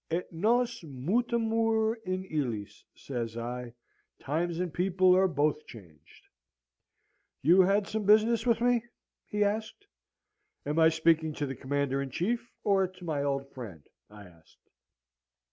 "'Et nos mutamur in illis,' says I. 'Times and people are both changed.' "'You had some business with me?' he asked. "'Am I speaking to the Commander in Chief or to my old friend?' I asked.